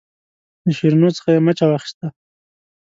د شیرینو څخه یې مچه واخیسته.